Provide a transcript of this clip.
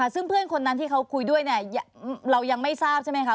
ซึ่งเพื่อนคนนั้นที่เขาคุยด้วยเนี่ยเรายังไม่ทราบใช่ไหมคะ